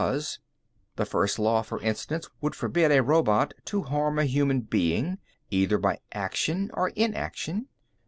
The First Law, for instance, would forbid a robot to harm a human being, either by action or inaction.